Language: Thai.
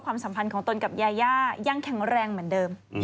สัมพันธ์ของตนกับยาย่ายังแข็งแรงเหมือนเดิม